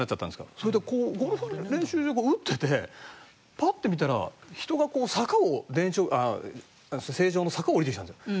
それでこうゴルフ練習場でこう打っててパッて見たら人がこう坂を成城の坂を下りてきたんですよ。